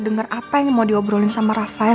dengar apa yang mau diobrolin sama rafael